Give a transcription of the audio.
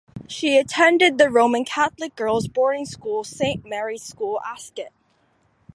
She attended the Roman Catholic girls' boarding school Saint Mary's School Ascot.